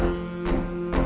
kamu mau ke rumah